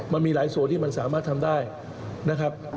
มันมีหลายส่วนที่มันสามารถทำได้นะครับ